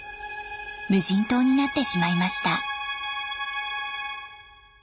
無人島になってしまいました。